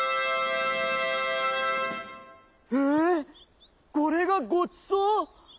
「ええっこれがごちそう！？」。